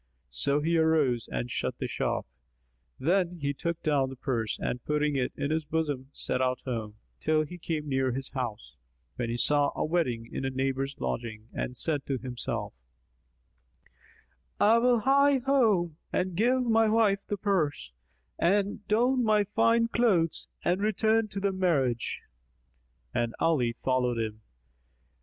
So he arose and shut the shop; then he took down the purse and putting it in his bosom set out home, till he came near his house, when he saw a wedding in a neighbour's lodging and said to himself, "I will hie me home and give my wife the purse and don my fine clothes and return to the marriage." And Ali followed him.